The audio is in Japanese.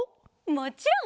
もちろん！